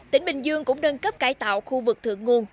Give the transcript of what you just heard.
tỉnh bình dương cũng nâng cấp cải tạo khu vực thượng nguồn